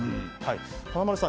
華丸さん